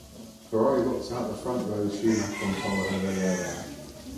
Ferrari locked out the front row with Schumacher on pole ahead of Eddie Irvine.